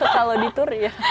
kalau di tour ya